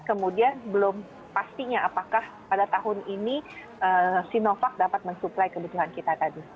kemudian belum pastinya apakah pada tahun ini sinovac dapat mensuplai kebutuhan kita tadi